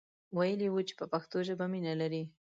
ویلی وو چې په پښتو ژبه مینه لري.